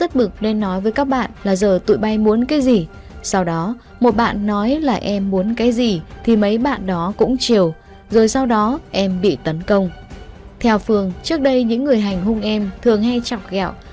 theo phương trước đây những người hành hung em thường hay chọc gạo